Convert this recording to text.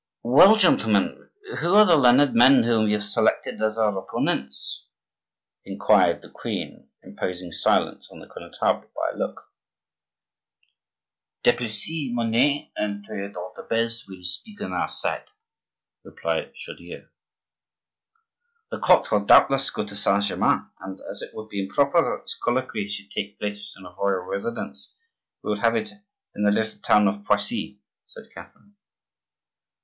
"Well, gentlemen, who are the learned men whom you have selected as our opponents?" inquired the queen, imposing silence on the Connetable by a look. "Duplessis Mornay and Theodore de Beze will speak on our side," replied Chaudieu. "The court will doubtless go to Saint Germain, and as it would be improper that this colloquy should take place in a royal residence, we will have it in the little town of Poissy," said Catherine.